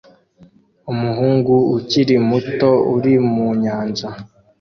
Umuhungu ukiri muto uri mu nyanja